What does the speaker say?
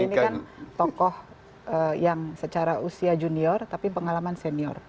ini kan tokoh yang secara usia junior tapi pengalaman senior